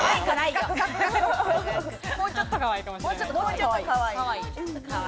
もうちょっとかわいいかもしれない。